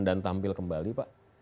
dan tampil kembali pak